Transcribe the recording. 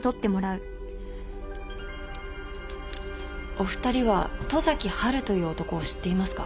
お二人は十崎波琉という男を知っていますか？